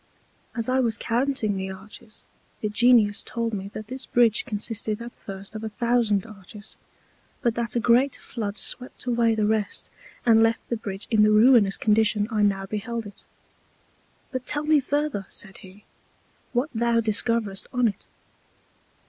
As I was counting the Arches, the Genius told me that this Bridge consisted at first of a thousand Arches; but that a great Flood swept away the rest, and left the Bridge in the ruinous Condition I now beheld it: But tell me further, said he, what thou discoverest on it.